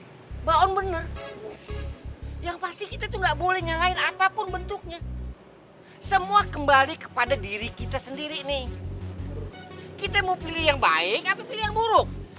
balon bener yang pasti kita tuh gak boleh nyalain apapun bentuknya semua kembali kepada diri kita sendiri nih kita mau pilih yang baik apa pilih yang buruk